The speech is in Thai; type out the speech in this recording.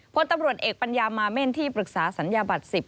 พลตำรวจเอกปัญญามาเม่นที่ปรึกษาสัญญาบัตร๑๐